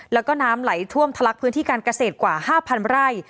แล้วก็น้ำไหลท่วมทะลักพื้นที่การเกษตรกว่า๕๐๐ไร่